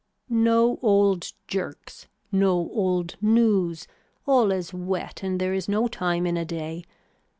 No old jerks, no old news, all is wet and there is no time in a day.